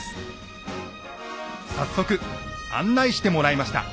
早速案内してもらいました。